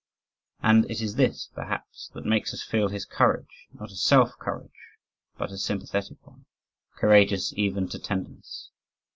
And it is this, perhaps, that makes us feel his courage not a self courage, but a sympathetic one courageous even to tenderness.